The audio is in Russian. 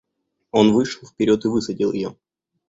Он вышел вперед и высадил ее.